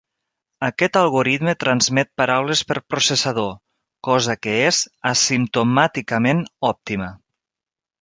Aquest algoritme transmet paraules per processador, cosa que és asimptomàticament òptima.